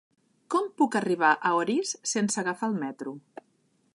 Com puc arribar a Orís sense agafar el metro?